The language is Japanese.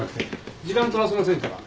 時間取らせませんから。